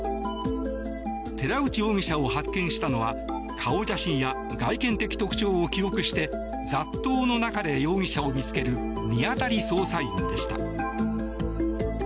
寺内容疑者を発見したのは顔写真や外見的特徴を記憶して雑踏の中で容疑者を見つける見当たり捜査員でした。